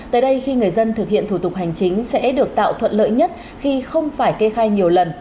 tới đây khi người dân thực hiện thủ tục hành chính sẽ được tạo thuận lợi nhất khi không phải kê khai nhiều lần